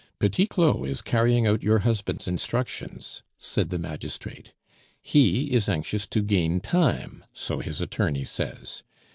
"Petit Claud is carrying out your husband's instructions," said the magistrate; "he is anxious to gain time, so his attorney says.